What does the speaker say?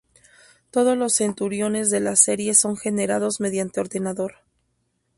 Todos los centuriones de la serie son generados mediante ordenador.